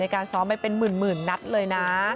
การซ้อมไปเป็นหมื่นนัดเลยนะ